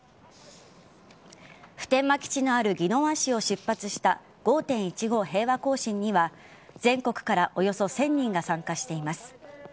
普天間基地のある宜野湾市を出発した５．１５平和行進には全国からおよそ１０００人が参加しています。